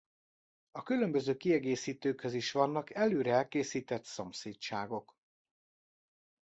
A különböző kiegészítőkhöz is vannak előre elkészített szomszédságok.